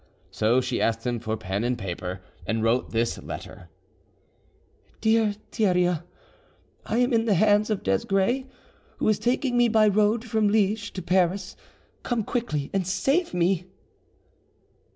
So she asked him for pen and paper, and wrote this letter: "DEAR THERIA,—I am in the hands of Desgrais, who is taking me by road from Liege to Paris. Come quickly and save me."